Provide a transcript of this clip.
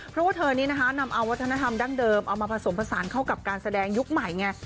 เพราะว่าเธอนี้นะคะนำเอาวัฒนธรรมดั้งเดิมเอามาผสมผสานเข้ากับการแสดงยุคใหม่ไง